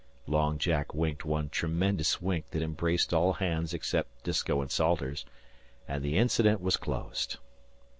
Long Jack winked one tremendous wink that embraced all hands except Disko and Salters, and the incident was closed.